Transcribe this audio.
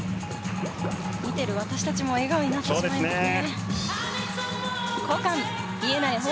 見ている私たちも笑顔になってしまいますね。